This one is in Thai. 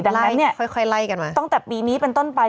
ดังนั้นเนี่ยค่อยไล่กันไว้ตั้งแต่ปีนี้เป็นต้นไป